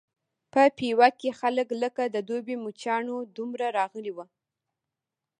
په پېوه کې خلک لکه د دوبي مچانو دومره راغلي وو.